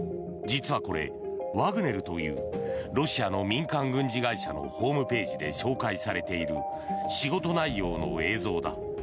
実はこれ、ワグネルというロシアの民間軍事会社のホームページで紹介されている仕事内容の映像だ。